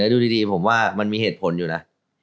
อ่านเนื้อดูดีผมว่ามันมีเหตุผลอยู่นะ